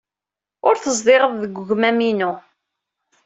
Ur tezdiɣeḍ deg wegmam-inu.